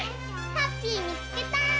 ハッピーみつけた！